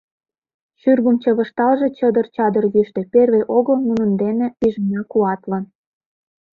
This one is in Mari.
Шӱргым чывышталже Чыдыр-чадыр йӱштӧ, — Первый огыл нунын дене Пижына куатлын.